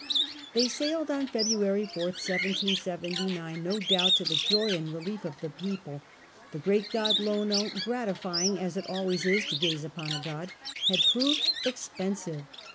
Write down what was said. They sailed on February 4tb, 1779, no doubt to the joy and relief of the people. Tlio great god Loiio, gratifying as it always is to gaze upon a god, had proved expensive.